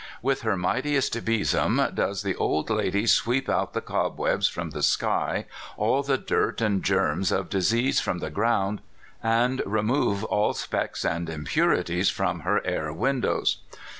AVith her mightiest besom does the old lady sweep all the cobwebs from the sky, all the dirt and germs of disease from the ground, and remove all specks and impurities from her air windows.